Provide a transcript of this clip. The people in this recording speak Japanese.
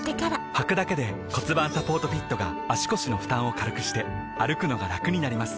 はくだけで骨盤サポートフィットが腰の負担を軽くして歩くのがラクになります